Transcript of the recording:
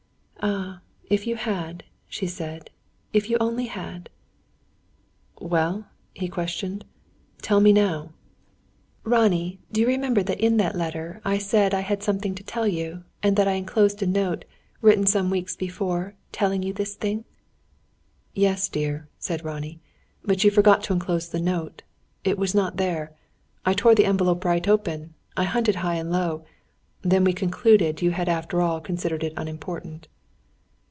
"Ah, if you had," she said, "if you only had!" "Well?" he questioned. "Tell me now." "Ronnie, do you remember that in that letter I said I had something to tell you, and that I enclosed a note, written some weeks before, telling you this thing?" "Yes, dear," said Ronnie. "But you forgot to enclose the note. It was not there. I tore the envelope right open; I hunted high and low. Then we concluded you had after all considered it unimportant."